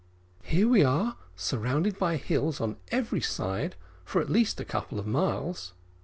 "Here we are, surrounded by hills on every side, for at least a couple of miles.